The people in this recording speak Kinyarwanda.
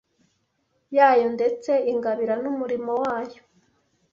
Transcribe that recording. yayo ndetse ingabira n’umurimo wayo